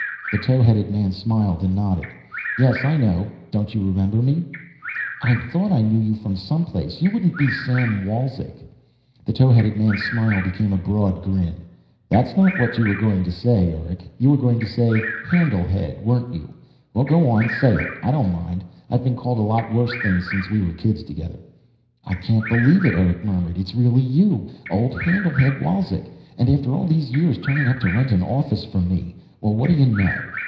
The towheaded man smiled and nodded. "Yes, I know. Don't you remember me?" "I thought I knew you from someplace. You wouldn't be Sam Wolzek?" The towheaded man's smile became a broad grin. "That's not what you were going to say, Eric. You were going to say 'Handle head,' weren't you? Well, go on, say it. I don't mind. I've been called a lot worse things since we were kids together." "I can't believe it," Eric murmured. "It's really you! Old Handle head Wolzek! And after all these years, turning up to rent an office from me. Well, what do you know!"